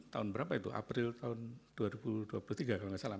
tahun berapa itu april tahun dua ribu dua puluh tiga kalau nggak salah